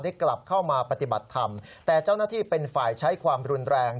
กลับเข้ามาปฏิบัติธรรมแต่เจ้าหน้าที่เป็นฝ่ายใช้ความรุนแรง